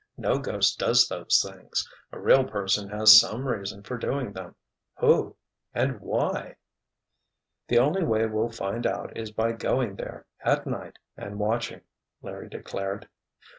"No ghost does those things. A real person has some reason for doing them. Who? And why?" "The only way we'll find out is by going there, at night, and watching," Larry declared.